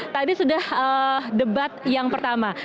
tadi sudah debat yang pertama